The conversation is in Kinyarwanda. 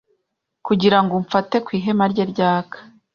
kugirango umfate ku ihema rye ryaka